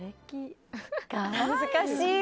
恥ずかしい。